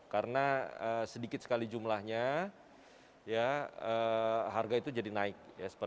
karena sedikit sekali jumlahnya harga itu jadi naik